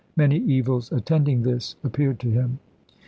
Many evils attending this .op. sis,' 6u. appeared to him."